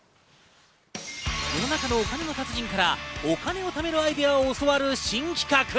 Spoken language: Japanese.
世の中のお金の達人からお金のためのアイデアを教わる新企画。